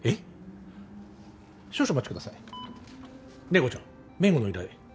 麗子ちゃん弁護の依頼。